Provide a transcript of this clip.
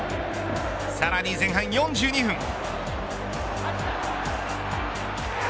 さらに前半４２分。